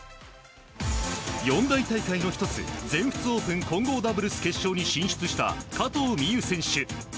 四大大会の１つ全仏オープン混合ダブルス決勝に進出した、加藤未唯選手。